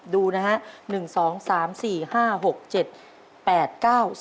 ดูนะฮะ